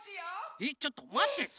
えっちょっとまって。